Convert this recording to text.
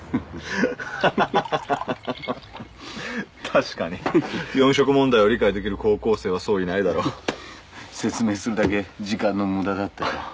確かに４色問題を理解できる高校生はそういないだろう説明するだけ時間のムダだったよ